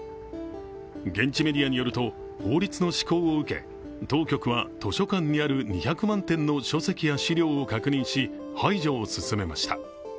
現地メディアによると、法律の施行を受け、当局は図書館にある２００万点の書籍や資料を確認し排除を進めました。